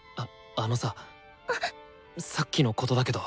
あのささっきのことだけど。